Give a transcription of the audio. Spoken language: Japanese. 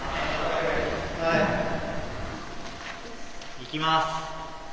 いきます。